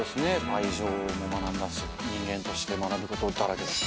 愛情も学んだし人間として学ぶことだらけで。